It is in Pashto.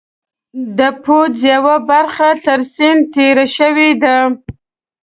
د پوځ یوه برخه یې تر سیند تېره شوې ده.